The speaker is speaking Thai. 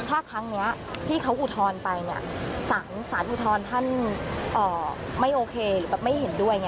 ถ้าครั้งนี้ที่เขาอุทธรณ์ไปสารอุทธรณ์ท่านไม่โอเคหรือไม่เห็นด้วย